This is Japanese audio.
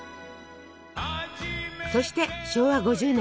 そして昭和５０年。